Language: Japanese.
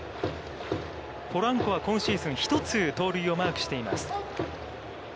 ポランコは今シーズン、１つ盗塁をマークしています。